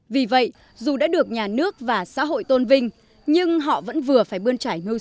vì vậy dù đã được nhà nước và xã hội tôn vinh nhưng họ vẫn vừa phải bươn trải mưu sinh